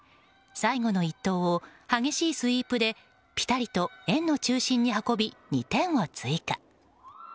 最後の一投を激しいスイープでピタリと円の中心に運び２点を追加。